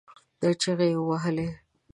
چغې يې ووهلې.